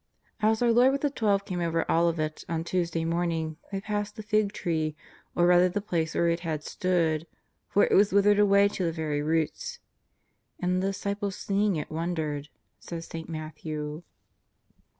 As our Lord with the Twelve came over Olivet on Tuesday morning they passed the fig tree, or rather the place where it had stood, for it was withered away to the very roots. "And the disciples seeing it won dered," says St. Matthew.